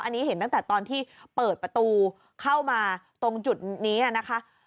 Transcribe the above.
อันนี้เห็นตั้งแต่ตอนที่เปิดประตูเข้ามาตรงจุดนี้นะคะ